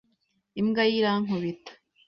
Imbwa ye irankubita.